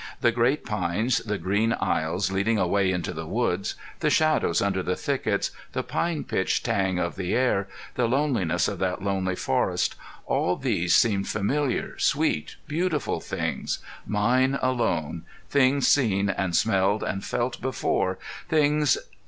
The great pines, the green aisles leading away into the woods, the shadows under the thickets, the pine pitch tang of the air, the loneliness of that lonely forest all these seemed familiar, sweet, beautiful, things mine alone, things seen and smelled and felt before, things